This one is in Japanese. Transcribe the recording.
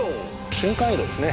瞬間移動ですね。